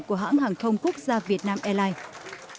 của hãng hàng không quốc gia việt nam airline